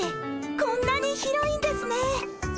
こんなに広いんですね。